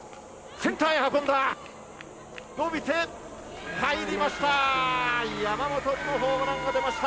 センターへ運んだ、伸びて、入りました。